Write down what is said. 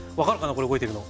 これ動いてるの。